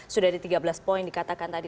sudah di tiga belas poin dikatakan tadi